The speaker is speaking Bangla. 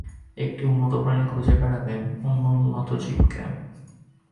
একটি উন্নত প্রাণী খুঁজে বেড়াবে অন্য উন্নত জীবনকে।